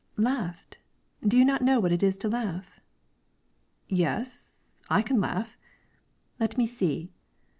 "Laughed. Do not you know what it is to laugh?" "Yes; I can laugh." "Let me see!"